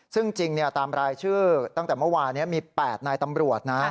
ซึ่งจริงตามรายชื่อตั้งแต่เมื่อวานนี้มี๘นายตำรวจนะ